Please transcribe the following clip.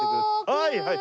はいはい？